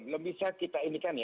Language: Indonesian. belum bisa kita ini kan ya